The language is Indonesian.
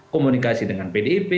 komunikasi dengan pdip